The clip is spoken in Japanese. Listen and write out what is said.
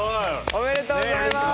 おめでとうございます！